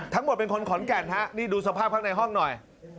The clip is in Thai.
ทั้งหมดเป็นคนขอนแก่นฮะนี่ดูสภาพข้างในห้องหน่อย